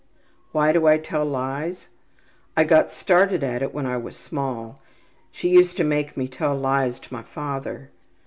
``Why do I tell lies? I got started at it when I was small. She used to make me tell lies to my father.